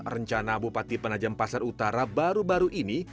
rencana bupati penajam pasar utara baru baru ini